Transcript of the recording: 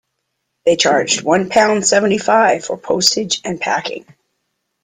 They charged one pound seventy-five for postage and packing